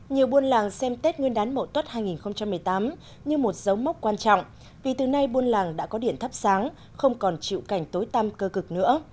nhiều buôn làng xem tết nguyên đán mậu tuất hai nghìn một mươi tám như một dấu mốc quan trọng vì từ nay buôn làng đã có điện thắp sáng không còn chịu cảnh tối tam cơ cực nữa